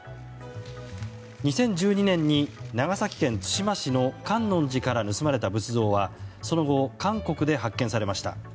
２０１２年に長崎県対馬市の観音寺から盗まれた仏像はその後、韓国で発見されました。